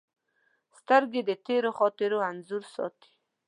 سترګې د تېرو خاطرو انځور ساتي